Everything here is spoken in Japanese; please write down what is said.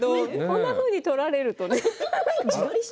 あんなふうに受け取られるとね。